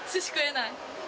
ない。